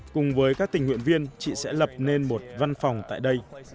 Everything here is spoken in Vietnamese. cùng với các tình nguyện viên chị sẽ lập nên một văn phòng tại đây